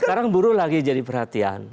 sekarang buruh lagi jadi perhatian